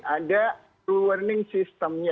ada learning system nya